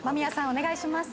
お願いします。